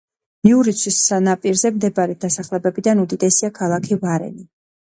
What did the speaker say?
მიურიცის ნაპირზე მდებარე დასახლებებიდან უდიდესია ქალაქი ვარენი.